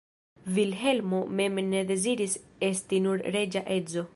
Vilhelmo mem ne deziris esti nur reĝa edzo.